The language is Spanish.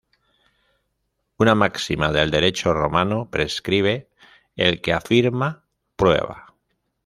Una máxima del derecho romano prescribe: "el que afirma, prueba".